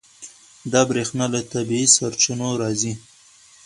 دا برېښنا له طبیعي سرچینو راځي.